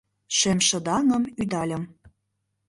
Шемшыдаҥым ӱдальым.